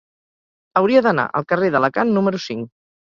Hauria d'anar al carrer d'Alacant número cinc.